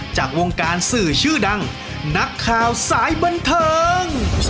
จากวงการสื่อชื่อดังนักข่าวสายบันเทิง